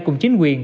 cùng chính quyền